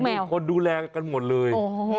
มีคนดูแลกันหมดเลย